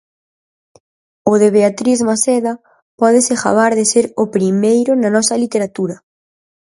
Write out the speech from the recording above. O de Beatriz Maceda pódese gabar de ser o primeiro na nosa literatura.